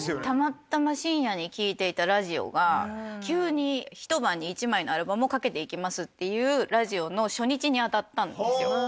たまたま深夜に聴いていたラジオが急に一晩に一枚のアルバムをかけていきますっていうラジオの初日に当たったんですよ。